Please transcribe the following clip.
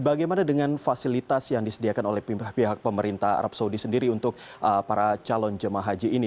bagaimana dengan fasilitas yang disediakan oleh pihak pemerintah arab saudi sendiri untuk para calon jemaah haji ini